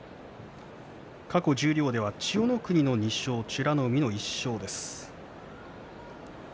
過去、十両では千代の国の２勝美ノ海の１勝です。